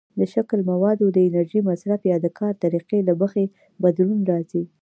د شکل، موادو، د انرژۍ مصرف، یا د کار طریقې له مخې بدلون راځي.